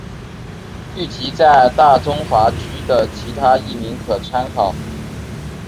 剧集在大中华区的其他译名可参考。